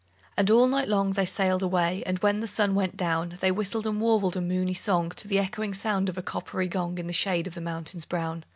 And all night long they sailed away; And when the sun went down, They whistled and warbled a moony song To the echoing sound of a coppery gong, In the shade of the mountains brown.